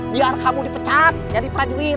biar kamu dipecat jadi prajurit